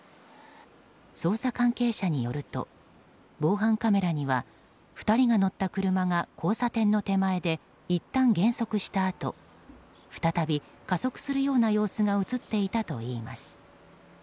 捜査関係者によると防犯カメラには２人が乗った車が交差点の手前でいったん減速したあと再び加速するような様子が映っていたといいます。